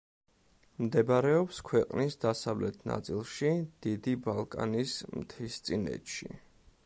მდებარეობს ქვეყნის დასავლეთ ნაწილში დიდი ბალკანის მთისწინეთში.